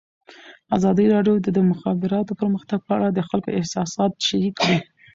ازادي راډیو د د مخابراتو پرمختګ په اړه د خلکو احساسات شریک کړي.